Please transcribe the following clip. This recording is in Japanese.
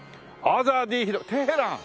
「アーザーディー広場テヘラン」